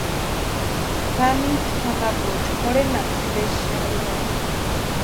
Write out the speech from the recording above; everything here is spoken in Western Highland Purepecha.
Xanichu anapuecha jorhenasti sési xarhiani.